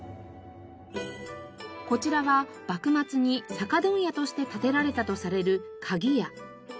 こちらは幕末に酒問屋として建てられたとされる鍵屋。